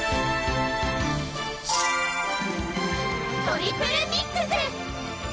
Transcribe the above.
トリプルミックス！